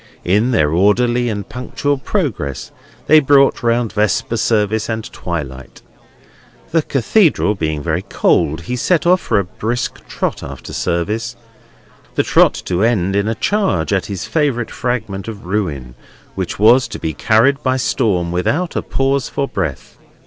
In their orderly and punctual progress they brought round Vesper Service and twilight. The Cathedral being very cold, he set off for a brisk trot after service; the trot to end in a charge at his favourite fragment of ruin, which was to be carried by storm, without a pause for breath.